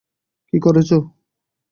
কী করছো?